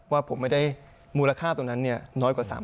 ว่าผมไม่ได้มูลค่าตรงนั้นน้อยกว่า๓๐๐